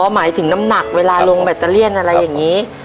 หมายถึงน้ำหนักเวลาลงแบตเตอเลียนอะไรอย่างนี้